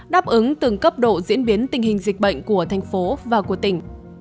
đáp ứng từng cấp độ diễn biến tình hình dịch bệnh của thành phố và của tỉnh